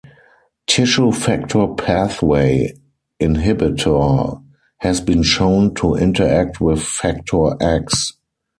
Tissue factor pathway inhibitor has been shown to interact with Factor X.